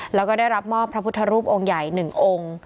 แล้วก็ได้รับมอบพระภูตรภูมิวงใหญ่หนึ่งอง